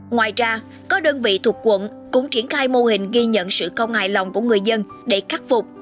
ngoài ra có đơn vị thuộc quận cũng triển khai mô hình ghi nhận sự không hài lòng của người dân để khắc phục